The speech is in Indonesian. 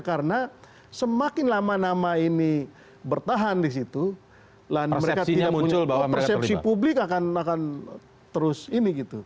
karena semakin lama lama ini bertahan di situ persepsi publik akan terus ini gitu